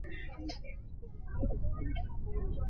পছন্দ নয় বলেই মেয়েটি কফিলের গলায় বলেছে-ইমাম আসছে।